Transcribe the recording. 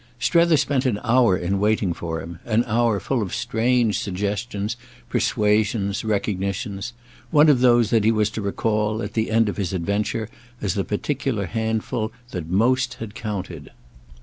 Strether spent an hour in waiting for him—an hour full of strange suggestions, persuasions, recognitions; one of those that he was to recall, at the end of his adventure, as the particular handful that most had counted.